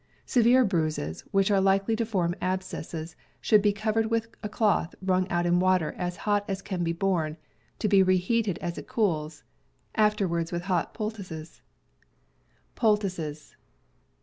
Severe bruises, which are likely to form abscesses, should be covered with cloth wrung out in water as hot as can be borne, to be reheated as it cools; afterwards with hot poultices.